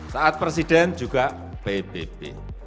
saat presiden juga pbb